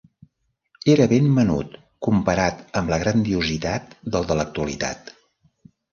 Era ben menut comparat amb la grandiositat del de l'actualitat.